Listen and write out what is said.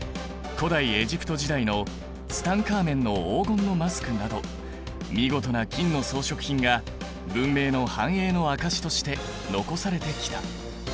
古代エジプト時代のツタンカーメンの黄金のマスクなど見事な金の装飾品が文明の繁栄の証しとして残されてきた。